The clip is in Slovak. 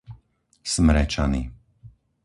Smrečany